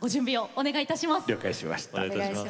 お願いいたします。